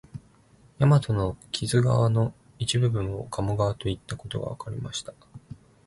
大和の木津川の一部分を鴨川といったことがわかりました